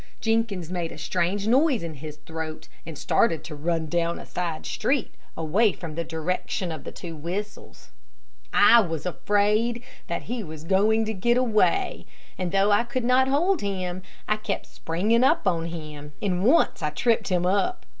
Jenkins made a strange noise in his throat, and started to run down a side street, away from the direction of the two whistles. I was afraid that he was going to get away, and though I could not hold him, I kept springing up on him, and once I tripped him up.